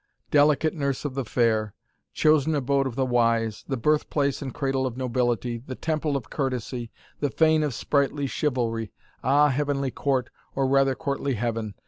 delicate nurse of the fair, chosen abode of the wise, the birth place and cradle of nobility, the temple of courtesy, the fane of sprightly chivalry Ah, heavenly court, or rather courtly heaven!